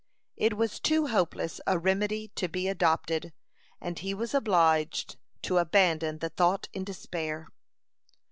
It was too hopeless a remedy to be adopted, and he was obliged to abandon the thought in despair.